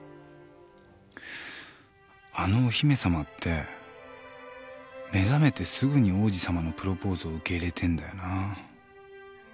あのお姫さまって目覚めてすぐに王子さまのプロポーズを受け入れてんだよな